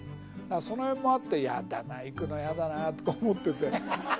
その辺もあってやだなぁ行くのやだなぁとか思ってて。